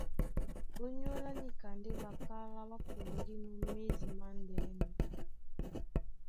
Ónyólá níka ndé ɓakálá ɓá pɔŋgínɔ̄ médi mándɛ́nɛ.